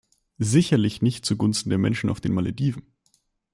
Sicherlich nicht zugunsten der Menschen auf den Malediven.